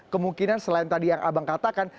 kemungkinan selain tadi yang abang katakan